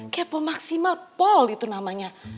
kepo maksimal paul itu namanya